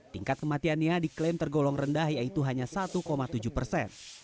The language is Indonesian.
tingkat kematiannya diklaim tergolong rendah yaitu hanya satu tujuh persen